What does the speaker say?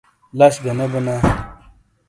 لش گہ نے بینا۔